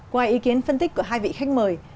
qua ý kiến phân tích của hai vị khách mời